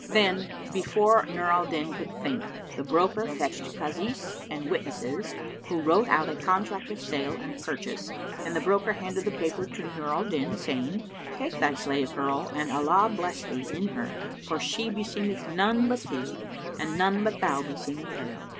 Then, before Nur al Din could think, the broker fetched Kazis and witnesses, who wrote out a contract of sale and purchase; and the broker handed the paper to Nur al Din, saying, "Take thy slave girl and Allah bless thee in her for she beseemeth none but thee and none but thou beseemeth her."